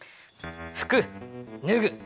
ふくぬぐ。